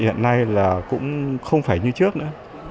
hiện nay là cũng không phải như trước nữa